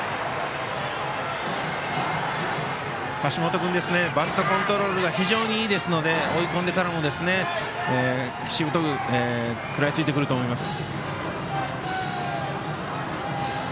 橋本君バットコントロールが非常にいいですので追い込んでからもしぶとく食らいついてくると思います。